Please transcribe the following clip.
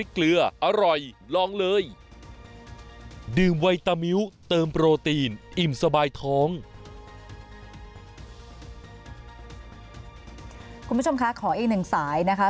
คุณผู้ชมคะขออีกหนึ่งสายนะคะ